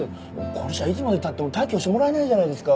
これじゃいつまで経っても退去してもらえないじゃないですか！